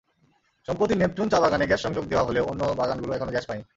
সম্প্রতি নেপচুন চা-বাগানে গ্যাস-সংযোগ দেওয়া হলেও অন্য বাগানগুলো এখনো গ্যাস পায়নি।